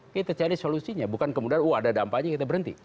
kita cari solusinya bukan kemudian wah ada dampaknya kita berhenti